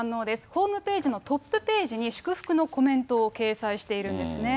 ホームページのトップページに、祝福のコメントを掲載しているんですね。